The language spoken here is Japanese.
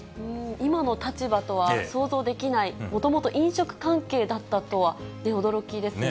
今の立場とは想像できない、もともと飲食関係だったとは、驚きですね。